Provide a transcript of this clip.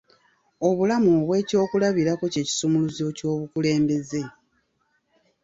Obulamu obw'ekyokulabirako kye kisumuluzo ky'obukulembeze.